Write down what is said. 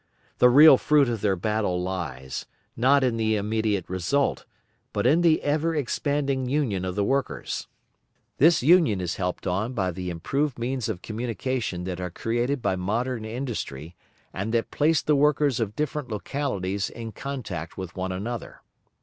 The real fruit of their battles lies, not in the immediate result, but in the ever expanding union of the workers. This union is helped on by the improved means of communication that are created by modern industry and that place the workers of different localities in contact with one another.